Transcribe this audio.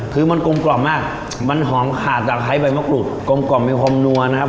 คือมันกลมกล่อมมากมันหอมขาดตะไคร้ใบมะกรูดกลมกล่อมมีความนัวนะครับ